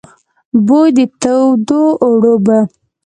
بوی د تودو اوړو به،